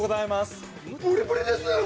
プリプリですね。